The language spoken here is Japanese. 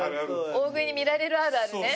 大食いに見られるあるあるね。